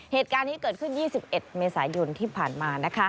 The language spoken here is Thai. เหตุการณ์นี้เกิดขึ้น๒๑เมษายนที่ผ่านมา